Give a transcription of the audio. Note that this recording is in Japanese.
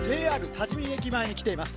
多治見駅前に来ています。